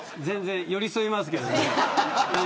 全然、寄り添いますけどね。